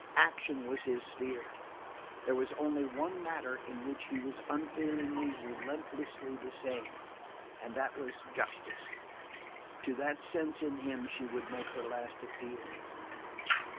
Action was his sphere. There was only one matter in which he was unfailingly, relentlessly the same, and that was justice. To that sense in him she would make her last appeal.